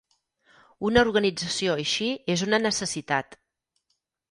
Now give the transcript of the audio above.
Una organització així és una necessitat